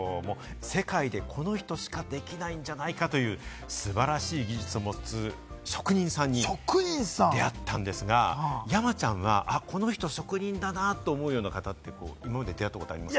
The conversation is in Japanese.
世界でこの人しかできないんじゃないかという素晴らしい技術を持つ、職人さんに出会ったんですが、山ちゃんは、この人、職人だなと思うような方って今まで出会ったことあります？